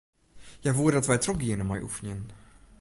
Hja woe dat wy trochgiene mei oefenjen.